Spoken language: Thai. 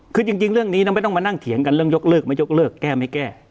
คือจริงเรื่องนี้ไม่ต้องมานั่งเถียงกันเรื่องยกเลิกไม่ยกเลิกแก้ไม่แก้